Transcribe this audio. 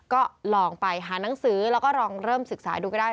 ก็ลองไปหานังสือแล้วก็ลองเริ่มศึกษาดูก็ได้